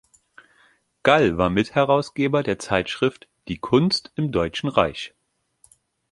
Gall war Mitherausgeber der Zeitschrift "Die Kunst im Deutschen Reich".